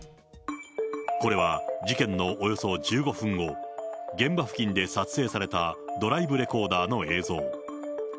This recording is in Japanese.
これは事件のおよそ１５分後、現場付近で撮影されたドライブレコーダーの映像。